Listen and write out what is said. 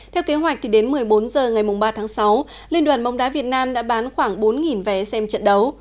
theo kế hoạch đến một mươi bốn h ngày ba tháng sáu liên đoàn bóng đá việt nam đã bán khoảng bốn vé xem trận đấu